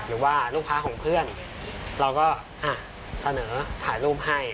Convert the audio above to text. หรือว่าลูกค้าของเพื่อนเราก็อ่ะเสนอถ่ายรูปให้